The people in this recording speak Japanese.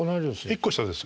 １個下です